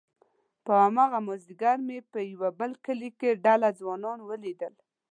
په هماغه مازيګر مې په يوه بل کلي کې ډله ځوانان وليدل،